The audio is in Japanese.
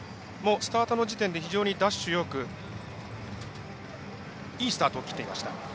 スタートの時点でダッシュよくいいスタートを切っていました。